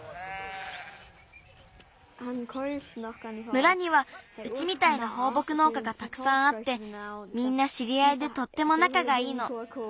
村にはうちみたいなほうぼくのうかがたくさんあってみんなしりあいでとってもなかがいいの。